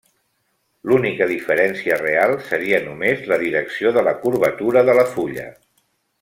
L’única diferència real seria només la direcció de la curvatura de la fulla.